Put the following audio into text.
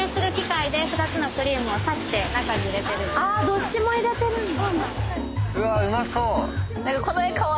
どっちも入れてるんだ。